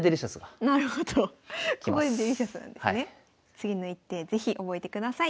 次の一手是非覚えてください。